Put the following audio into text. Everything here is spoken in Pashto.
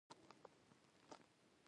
ھیلہ ناستہ وہ سر توریی ژڑیدلہ، ژڑیدلہ